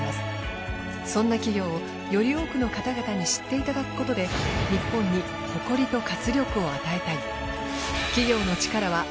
そんな企業をより多くの方々に知っていただくことで日本に誇りと活力を与えたい。